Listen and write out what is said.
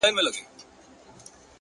چي ستا ديدن وي پكي كور به جوړ سـي ـ